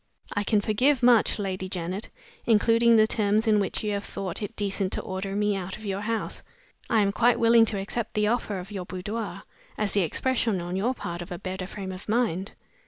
I can forgive much, Lady Janet including the terms in which you thought it decent to order me out of your house. I am quite willing to accept the offer of your boudoir, as the expression on your part of a better frame of mind.